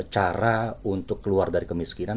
cara untuk keluar dari kemiskinan